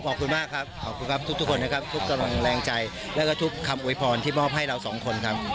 ขอบคุณมากครับขอบคุณครับทุกคนนะครับทุกกำลังแรงใจแล้วก็ทุกคำอวยพรที่มอบให้เราสองคนครับ